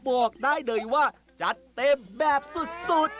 บอกได้เลยว่าจัดเต็มแบบสุด